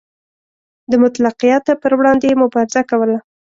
د مطلقیت پر وړاندې یې مبارزه کوله.